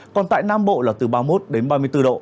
còn tại nam bộ là từ ba mươi một đến ba mươi bốn độ